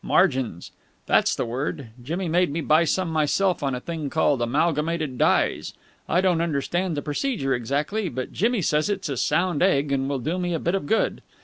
Margins. That's the word. Jimmy made me buy some myself on a thing called Amalgamated Dyes. I don't understand the procedure exactly, but Jimmy says it's a sound egg and will do me a bit of good.